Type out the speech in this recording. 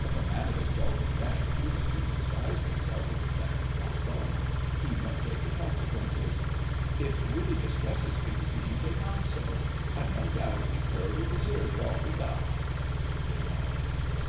If a man of exalted rank chooses to disguise himself as a Second Trombone, he must take the consequences. It really distresses me to see you take on so. I've no doubt he thoroughly deserved all he got. (They rise.)